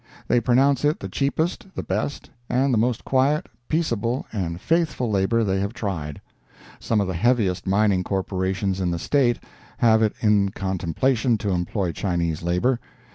They pronounce it the cheapest, the best, and most quiet, peaceable and faithful labor they have tried. Some of the heaviest mining corporations in the State have it in contemplation to employ Chinese labor.